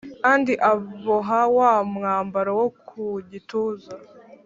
Kandi aboha wa mwambaro wo ku gituza